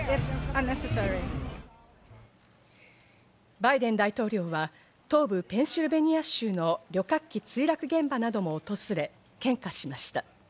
バイデン大統領は東部ペンシルベニア州の旅客機墜落現場なども訪れ、献花しました。